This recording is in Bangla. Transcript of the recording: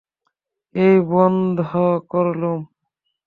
এই বন্ধ করলুম।